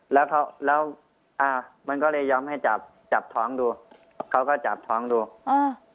แล้วเขาแล้วอ่ามันก็เลยยอมให้จับจับท้องดูเขาก็จับท้องดูอ่า